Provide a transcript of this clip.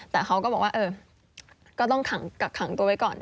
แต่เขาก็บอกว่าก็ต้องกักขังตัวไว้ก่อน